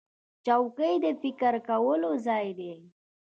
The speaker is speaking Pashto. چوکۍ د فکر کولو ځای دی.